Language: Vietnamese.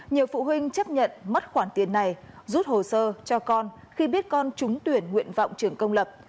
nhiều phụ huynh chấp nhận mất khoản tiền này rút hồ sơ cho con khi biết con trúng tuyển nguyện vọng trường công lập